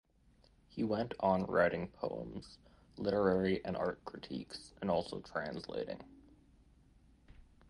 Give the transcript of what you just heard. He went on writing poems, literary and art critiques and also translating.